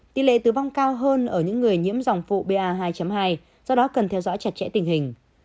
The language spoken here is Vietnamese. tỷ lệ tử vong cao hơn ở những người nhiễm dòng phụ ba hai do đó cần theo dõi chặt chẽ tình hình